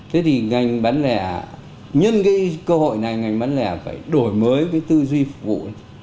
thế thì ngành bán lẻ nhân cái cơ hội này ngành bán lẻ phải đổi mới cái tư duy phục vụ